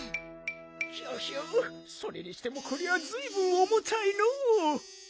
ヒョヒョそれにしてもこりゃずいぶんおもたいのう。